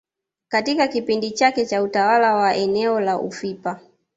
Katika kipindi chake cha utawala wa eneo la ufipa